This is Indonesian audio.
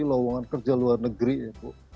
lowongan kerja luar negeri itu